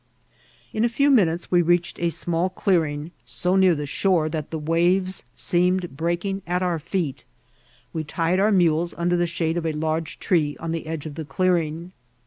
Inafew minutes we reached a «aiall clear ing, so neur the shore that the waves seemed breakiag at our feet. We tied our nudes under the shade of a large tree on the edge of the clearing.